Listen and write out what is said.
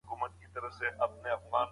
نو لیکنه کږه وږه راځي.